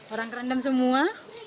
orang kerendam semua